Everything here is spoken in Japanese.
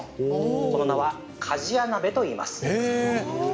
その名は鍛冶屋鍋といいます。